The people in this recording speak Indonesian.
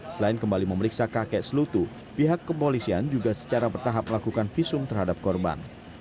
selain kembali memeriksa kakek selutu pihak kepolisian juga secara bertahap melakukan visum terhadap korban